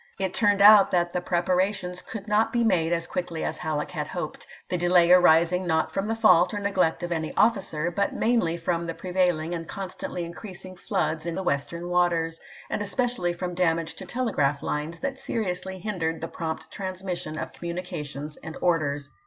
It turned out that the preparations could not be made as quickly as Halleck had hoped; the delay arising, not from the fault or neglect of any officer, but mainly from the prevailing and constantly increasing floods in the Western waters, and especially from damage to telegraph lines that seriously hindered the prompt transmission of communications and orders.